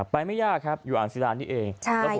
ไปไม่ยากครับอยู่อ่านสิราธิพิธิาคมนี้เอง